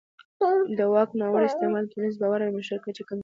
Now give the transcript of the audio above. د واک ناوړه استعمال د ټولنیز باور او مشروعیت کچه کمزوري کوي